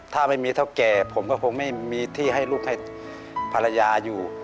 ถ้าไม่มีเท่าแก่ผมก็คงไม่มีที่ให้ลูกให้ภรรยาอยู่